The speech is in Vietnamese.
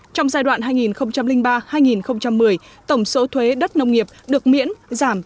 trong giai đoạn hai nghìn ba hai nghìn một mươi tổng số thuế đất nông nghiệp được miễn giảm